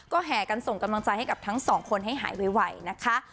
แห่กันส่งกำลังใจให้กับทั้งสองคนให้หายไวนะคะ